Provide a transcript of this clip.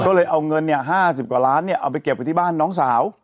ก็เลยเอาเงินเนี่ยห้าสิบกว่าล้านเนี่ยเอาไปเก็บไว้ที่บ้านน้องสาว